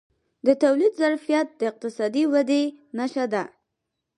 د تولید ظرفیت د اقتصادي ودې نښه ده.